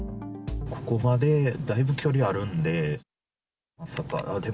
ここまでだいぶ距離あるんで。